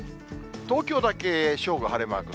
東京だけ正午、晴れマーク。